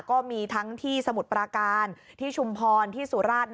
ก็มีทั้งที่สมุทรปราการที่ชุมพรที่สุราช